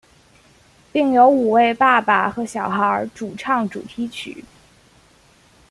并由五位爸爸和小孩主唱主题曲。